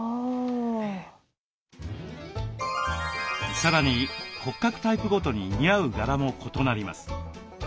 さらに骨格タイプごとに似合う柄も異なります。